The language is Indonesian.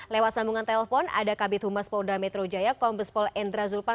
lewat sambungan telpon ada kabit humas polda metro jaya kombes pol endra zulpan